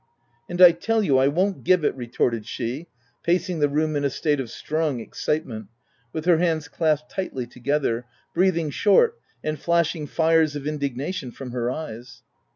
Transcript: '' u And I tell you I won't give it V* retorted she, pacing the room in a state of strong excitement, with her hands clasped tightly together, breath ing short, and flashing fires of indignation from her eyes.